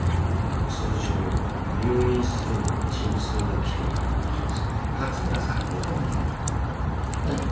通常入院するのは陣痛がきてからのはず。